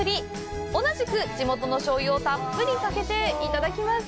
同じく地元の醤油をたっぷりかけていただきます。